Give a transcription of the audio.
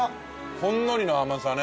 ほんのりの甘さね。